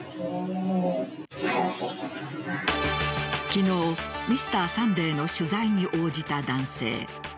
昨日「Ｍｒ．サンデー」の取材に応じた男性。